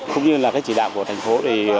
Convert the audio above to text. cũng như là chỉ đạo của thành phố